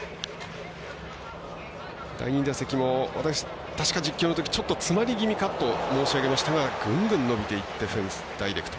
第２打席も、確か実況のときちょっと詰まり気味かと申し上げましたがグングン伸びていってフェンスダイレクト。